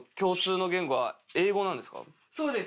そうです